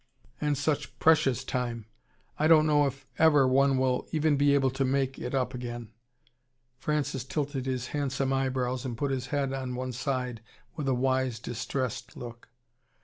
And such PRECIOUS time! I don't know if ever one will even be able to make it up again." Francis tilted his handsome eyebrows and put his head on one side with a wise distressed look.